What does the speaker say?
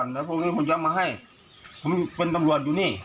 จากกรอบมาให้เป็นเป็นตำรวจอยุ่นี่